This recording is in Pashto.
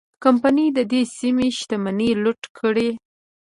کمپنۍ د دې سیمې شتمنۍ لوټ کړې.